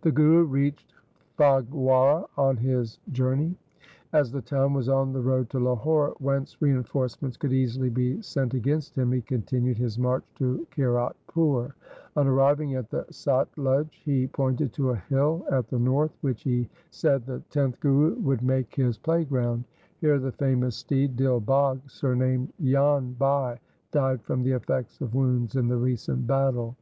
The Guru reached Phagwara on his journey. As the town was on the road to Lahore, whence reinforce ments could easily be sent against him, he continued his march to Kiratpur. On arriving at the Satluj he pointed to a hill at the north, which he said the tenth 214 THE SIKH RELIGION Guru would make his playground. Here the famous steed Dil Bagh, surnamed Jan Bhai, died from the effect of wounds in the recent battle.